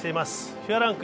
ＦＩＦＡランク